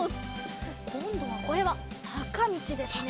こんどはこれはさかみちですね。